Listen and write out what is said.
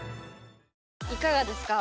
いかがですか？